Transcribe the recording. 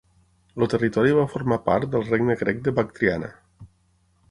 El territori va formar part del regne Grec de Bactriana.